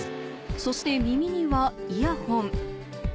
そして耳にはイヤホン